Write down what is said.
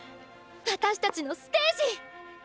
私たちのステージ！